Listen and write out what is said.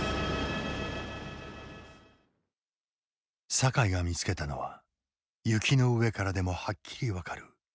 酒井が見つけたのは雪の上からでもはっきり分かる地面の段差。